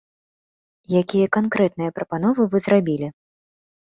Якія канкрэтныя прапановы вы зрабілі?